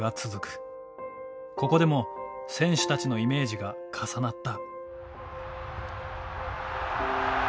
ここでも選手たちのイメージが重なった。